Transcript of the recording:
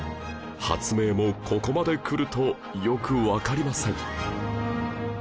発明もここまでくるとよくわかりません